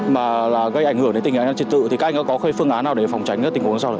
mà gây ảnh hưởng đến tình hình án trật tự thì các anh có phương án nào để phòng tránh tình hình đó sao